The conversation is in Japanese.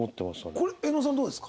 これ絵音さんどうですか？